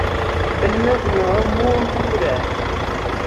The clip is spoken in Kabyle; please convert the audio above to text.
Almad n uɛumu am wurar.